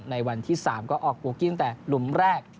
ในวันที่๓ก็ออกโกรธกี้ตั้งแต่หลุมแรก